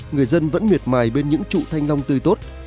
người dân vẫn miệt mài bên những trụ thanh long tươi tốt